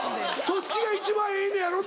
そっちが一番ええのやろ？